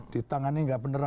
di tangan ini nggak beneran